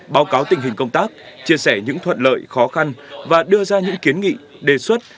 báo cáo tình hình công tác chia sẻ những thuận lợi khó khăn và đưa ra những kiến nghị đề xuất